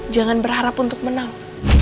jangan berharap untuk menang